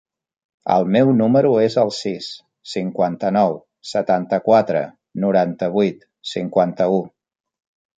El meu número es el sis, cinquanta-nou, setanta-quatre, noranta-vuit, cinquanta-u.